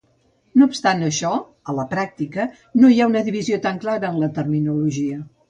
No obstant això, a la pràctica, no hi ha una divisió tant clara en la terminologia.